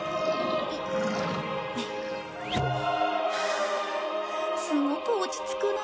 はあすごく落ち着くなあ。